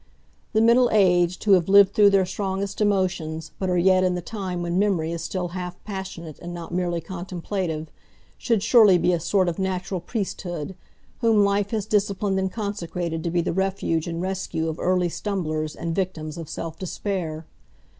The middle aged, who have lived through their strongest emotions, but are yet in the time when memory is still half passionate and not merely contemplative, should surely be a sort of natural priesthood, whom life has disciplined and consecrated to be the refuge and rescue of early stumblers and victims of self despair.